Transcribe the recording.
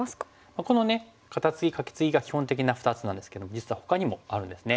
このカタツギカケツギが基本的な２つなんですけども実はほかにもあるんですね。